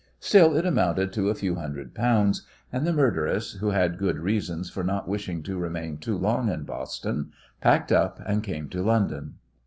Still, it amounted to a few hundred pounds, and the murderess, who had good reasons for not wishing to remain too long in Boston, packed up and came to London.